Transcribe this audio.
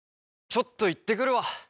ちょっと行ってくるわ